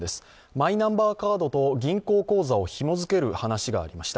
マイナンバーカードと銀行口座を話がありました。